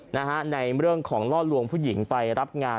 ในเรื่องของล่อลวงผู้หญิงไปรับงาน